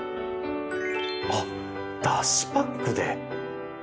あっだしパックで。